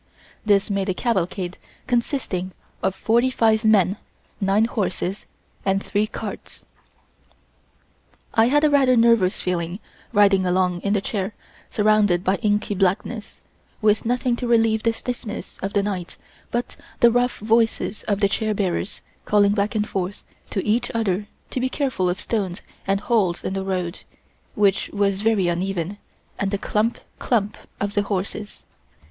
This made a cavalcade consisting of forty five men, nine horses and three carts. I had a rather nervous feeling riding along in the chair surrounded by inky blackness, with nothing to relieve the stillness of the night but the rough voices of the chair bearers calling back and forth to each other to be careful of stones and holes in the road, which was very uneven, and the clump, clump of the horses.